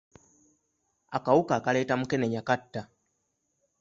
Akawuka akaleeta mukenenya katta.